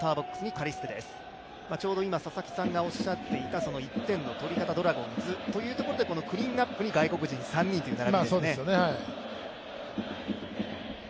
佐々木さんがおっしゃっていた１点の取り方、ドラゴンズということでこのクリーンアップに外国人３人という並びですね。